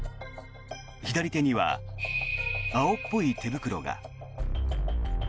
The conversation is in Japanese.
左手には青っぽい手袋が。